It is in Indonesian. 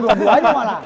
dua buahnya malah